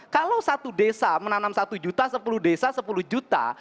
kalau satu desa menanam satu juta sepuluh desa sepuluh juta